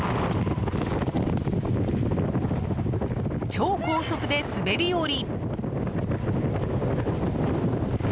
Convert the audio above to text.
超高速で滑り降り。